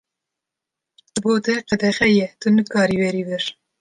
Ji bo te qedexe ye, tu nikarî werî vir.